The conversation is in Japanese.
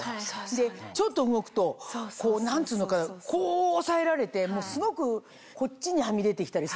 でちょっと動くとこう何つうのかなこう押さえられてすごくこっちにはみ出てきたりするんですよ。